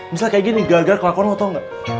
misalnya kayak gini gara gara kelakuan lo tau gak